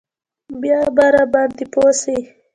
بيا به راباندې پوه سي.